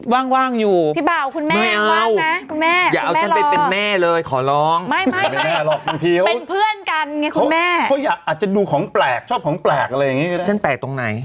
ว่างอยู่ขนาดนี้ผมเป็นแม่เลยขอลองแม่ก็อยากจะดูของแปลกของแปลกไง